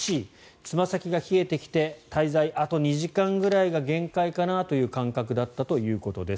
つま先が冷えてきて滞在あと２時間ぐらいが限界かなという感覚だったそうです。